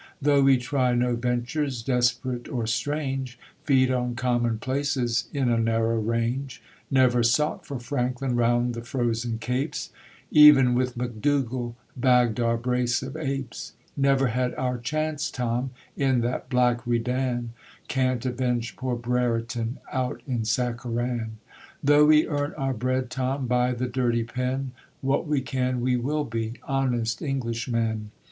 Though we try no ventures Desperate or strange; Feed on commonplaces In a narrow range; Never sought for Franklin Round the frozen Capes; Even, with Macdougall, Bagged our brace of apes; Never had our chance, Tom, In that black Redan; Can't avenge poor Brereton Out in Sakarran; Tho' we earn our bread, Tom, By the dirty pen, What we can we will be, Honest Englishmen.